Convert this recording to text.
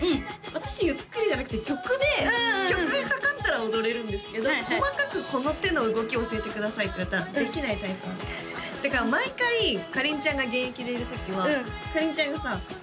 私ゆっくりじゃなくて曲で曲がかかったら踊れるんですけど細かくこの手の動き教えてくださいって言われたらできないタイプなのだから毎回かりんちゃんが現役でいるときはかりんちゃんがさ